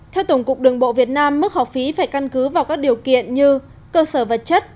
theo tổng cục đường bộ việt nam mức học phí phải căn cứ vào các điều kiện như cơ sở vật chất